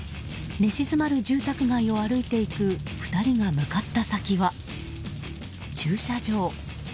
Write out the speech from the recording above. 寝静まる住宅街を歩いていく２人が向かった先は駐車場。